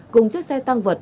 cùng chiếc xe tăng vật